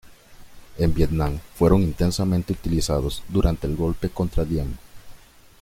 En Vietnam fueron intensamente utilizados durante el golpe contra Diem.